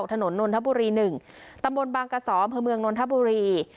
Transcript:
ถนนนนทบุรีหนึ่งตำบลบางกะสอมเผอร์เมืองนนทบุรี